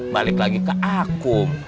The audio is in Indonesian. balik lagi ke akum